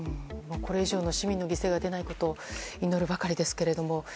これ以上の市民の犠牲が出ないことを祈るばかりですけど。